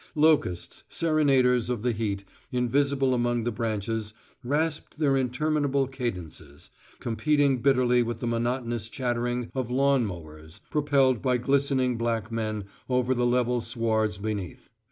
Locusts, serenaders of the heat, invisible among the branches, rasped their interminable cadences, competing bitterly with the monotonous chattering of lawn mowers propelled by glistening black men over the level swards beneath.